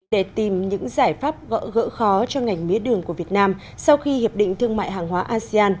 để tìm những giải pháp gỡ gỡ khó cho ngành mía đường của việt nam sau khi hiệp định thương mại hàng hóa asean